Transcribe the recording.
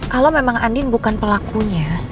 kalau memang andin bukan pelakunya